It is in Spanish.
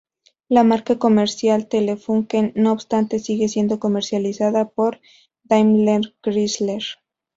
La marca comercial "Telefunken", no obstante, sigue siendo comercializada por DaimlerChrysler.